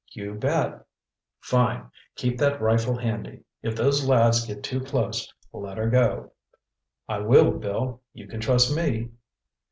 "You bet." "Fine. Keep that rifle handy. If those lads get too close—let 'er go." "I will, Bill, you can trust me."